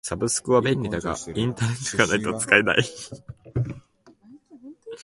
サブスクは便利だがインターネットがないと使えない。